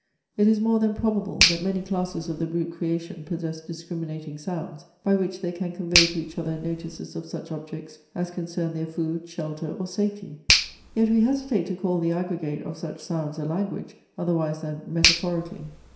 It is more than probable, that many classes of the brute creation possess discriminating sounds, by which they can convey to each other notices of such objects as concern their food, shelter, or safety. Yet we hesitate to call the aggregate of such sounds a language, otherwise than metaphorically.